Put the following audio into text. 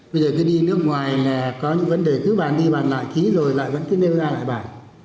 bây giờ cứ đi nước ngoài là có những vấn đề cứ bạn đi bàn lại ký rồi lại vẫn cứ nêu ra lại bản